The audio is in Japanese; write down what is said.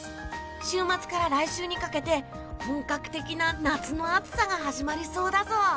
週末から来週にかけて本格的な夏の暑さが始まりそうだぞ。